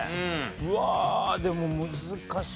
うわでも難しい。